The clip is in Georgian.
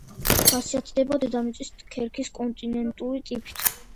ხასიათდება დედამიწის ქერქის კონტინენტური ტიპით.